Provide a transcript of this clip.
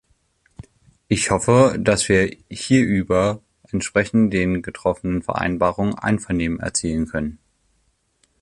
Ich hoffe, dass wir hierüber entsprechend den getroffenen Vereinbarungen Einvernehmen erzielen können.